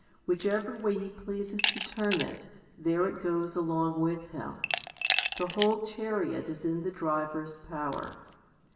Whichever way he pleases to turn it, there it goes along with him. The whole chariot is in the driver's power.